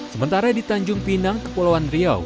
sementara di tanjung pinang kepulauan riau